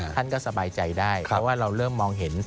ท่านก็สบายใจได้เพราะว่าเราเริ่มมองเห็น